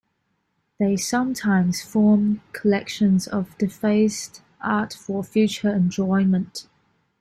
They sometimes form collections of defaced art for future enjoyment.